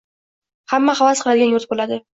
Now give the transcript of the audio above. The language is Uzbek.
Hamma havas qiladigan yurt bo‘ladi.